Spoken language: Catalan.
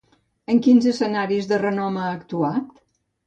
En quins escenaris de renom ha actuat?